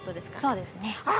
◆そうですね。